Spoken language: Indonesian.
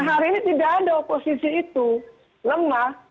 kalau tidak ada oposisi itu lemah